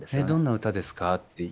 どんな歌ですか？